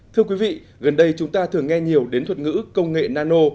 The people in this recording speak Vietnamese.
thưa quý vị gần đây chúng ta thường nghe nhiều đến thuật ngữ công nghệ nano